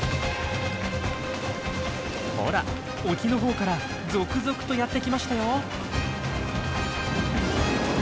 ほら沖のほうから続々とやって来ましたよ。